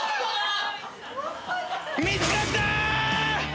見つかった！